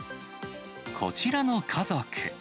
こちらの家族。